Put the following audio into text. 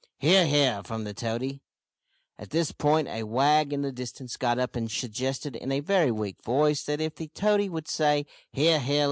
"He ar, he ar!" from the toady. At this point a wag in the distance got up and suggested, in a very weak voice, that if the toady would say, "he ar, he ar!"